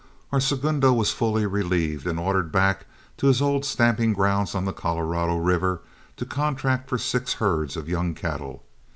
Our segundo was fully relieved and ordered back to his old stamping ground on the Colorado River to contract for six herds of young cattle.